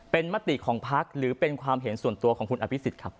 เป็นมติของพักหรือเป็นความเห็นส่วนตัวของคุณอภิษฎครับ